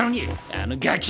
あのガキ！